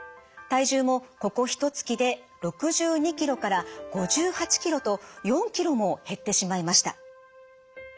体重もここひとつきで６２キロから５８キロと４キロも減ってしまいました。